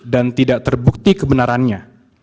dan tidak terbukti kebenarannya